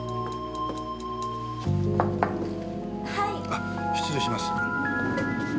あっ失礼します。